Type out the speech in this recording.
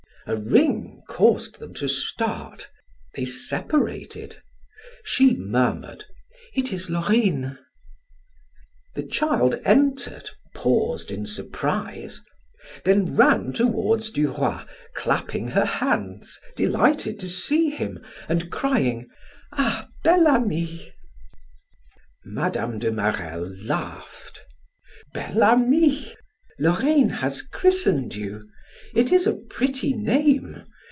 A ring caused them to start; they separated. She murmured: "It is Laurine." The child entered, paused in surprise, then ran toward Duroy clapping her hands, delighted to see him, and crying: "Ah, 'Bel Ami!'" Mme. de Marelle laughed. "Bel Ami! Laurine has christened you. It is a pretty name.